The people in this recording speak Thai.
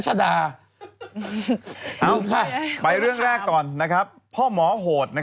คนโทขหาเยอะทุกช่วงนี้